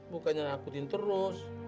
bukannya nakutin terus